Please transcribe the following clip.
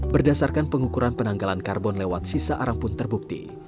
berdasarkan pengukuran penanggalan karbon lewat sisa arang pun terbukti